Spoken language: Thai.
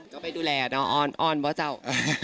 ก็ไปดูแลเนอะอ้อนป่ะเจ้า